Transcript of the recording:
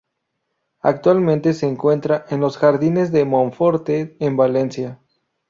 Actualmente se encuentran en los Jardines de Monforte en Valencia.